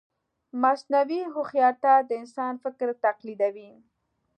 مصنوعي هوښیارتیا د انسان فکر تقلیدوي.